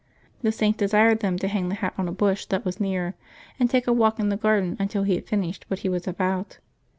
The Saint desired them to hang the hat on a bush that was near, and take a walk in the garden until he had finished what he was about.